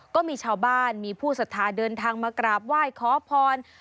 ก็มีชาวบ้านมีผู้สัทธาเดินทางมากราบไหว้ขอพร